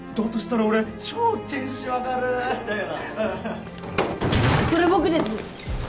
・うんそれ僕です！